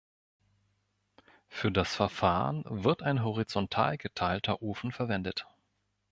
Für das Verfahren wird ein horizontal geteilter Ofen verwendet.